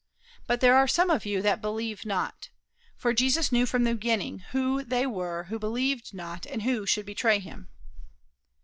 But there are some of you that believe not. For Jesus knew from the beginning who they were who believed not and who should betray him."